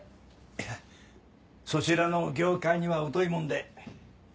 いやそちらの業界には疎いもんで。